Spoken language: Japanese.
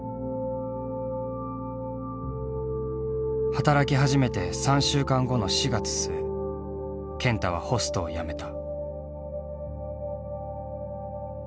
働き始めて３週間後の４月末健太はホストを辞めた。